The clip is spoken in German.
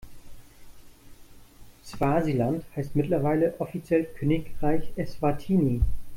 Swasiland heißt mittlerweile offiziell Königreich Eswatini.